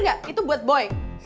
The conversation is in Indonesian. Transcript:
iya itu buat boing